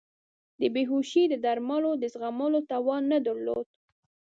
د بیهوشۍ د درملو د زغملو توان نه درلود.